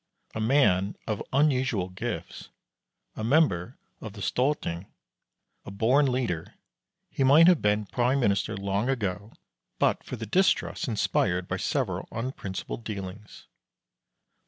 A man of unusual gifts, a member of the Storthing, a born leader, he might have been prime minister long ago, but for the distrust inspired by several unprincipled dealings.